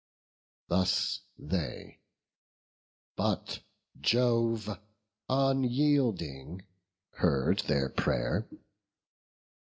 Thus they; but Jove, unyielding, heard their pray'r.